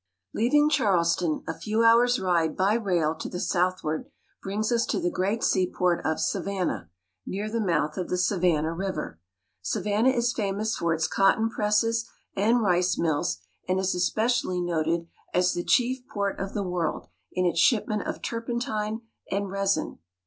LEAVING Charleston, a few hours' ride by rail to the / southward brings us to the great seaport of Savannah, nearthe mouth ofthe Savannah River. Savannah is famous for its cotton presses and rice mills, and is especially noted as the chief port of the world in its shipment of turpentine and rosin.